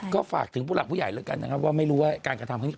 ก็ฝากถึงผู้หลักผู้ใหญ่แล้วกันนะครับว่าไม่รู้ว่าการกระทำครั้งนี้